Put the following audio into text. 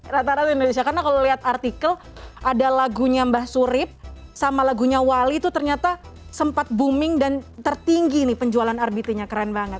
rata rata indonesia karena kalau lihat artikel ada lagunya mbah surip sama lagunya wali itu ternyata sempat booming dan tertinggi nih penjualan rbt nya keren banget